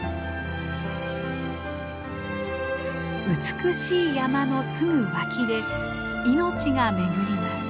美しい山のすぐ脇で命が巡ります。